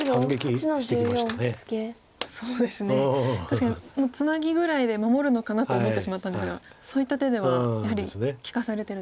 確かにツナギぐらいで守るのかなと思ってしまったんですがそういった手ではやはり利かされてるんですか。